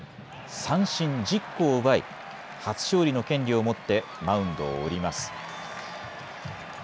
三振１０個を奪い、初勝利の権利を持ってマウンドを降ります。